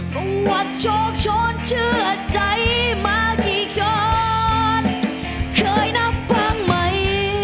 ประวัติโชคโชนเชื่อใจมากี่กรอดเคยนับบ้างมั้ย